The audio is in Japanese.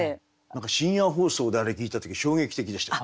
何か深夜放送であれ聴いた時衝撃的でした。